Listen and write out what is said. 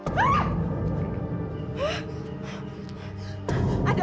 aku akan menangkapmu